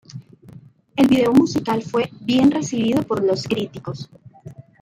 El video musical fue bien recibido por los críticos.